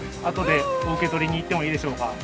あとでお受け取りに行ってもいいでしょうか？